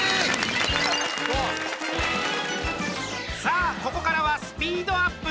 さあ、ここからはスピードアップ！